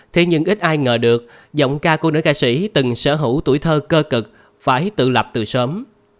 thế nhưng ít ai ngờ được giọng ca của nữ ca sĩ từng sở hữu tuổi thơ cơ cực phải tự lập từ sớm